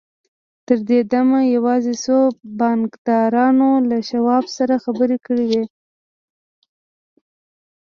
تر دې دمه يوازې څو بانکدارانو له شواب سره خبرې کړې وې.